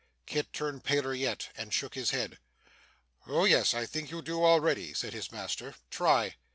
Kit turned paler yet, and shook his head. 'Oh yes. I think you do already,' said his master. 'Try.